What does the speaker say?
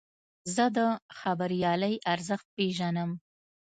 زه د خبریالۍ ارزښت پېژنم.